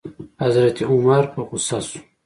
حضرت عمر په غوسه شو.